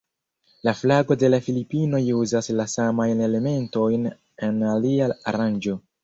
La flago de la Filipinoj uzas la samajn elementojn en alia aranĝo.